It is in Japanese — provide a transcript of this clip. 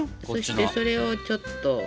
そしてそれをちょっと。